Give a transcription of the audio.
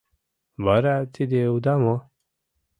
— Вара тиде уда мо?